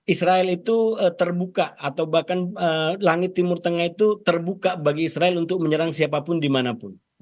israel itu terbuka atau bahkan langit timur tengah itu terbuka bagi israel untuk menyerang siapapun dimanapun